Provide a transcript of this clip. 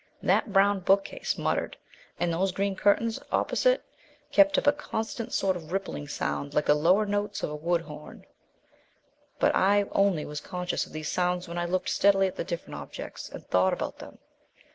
That brown bookcase muttered, and those green curtains opposite kept up a constant sort of rippling sound like the lower notes of a woodhorn. But I only was conscious of these sounds when I looked steadily at the different objects, and thought about them.